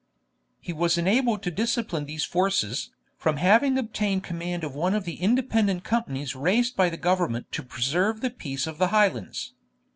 He was enabled to discipline these forces, from having obtained command of one of the independent companies raised by government to preserve the peace of the Highlands.